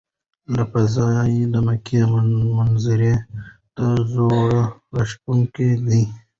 له فضا د مکې منظره د زړه راښکونکې ده.